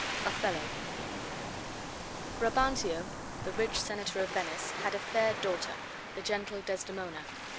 OTHELLO Brabantio, the rich senator of Venice, had a fair daughter, the gentle Desdemona.